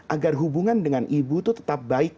agar hubungan dengan ibu itu tetap baik